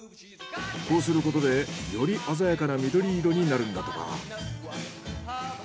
こうすることでより鮮やかな緑色になるんだとか。